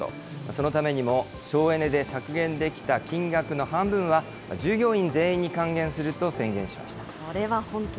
そのためにも省エネで削減できた金額の半分は、従業員全員に還元すると宣言しました。